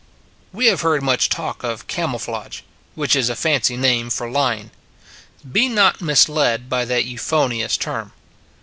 We have heard much talk of camou flage, which is a fancy name for lying. Be not misled by that euphonious term.